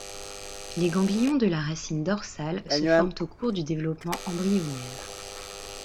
Les ganglions de la racine dorsale se forment au cours du développement embryonnaire.